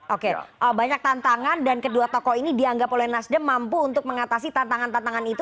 oke banyak tantangan dan kedua tokoh ini dianggap oleh nasdem mampu untuk mengatasi tantangan tantangan itu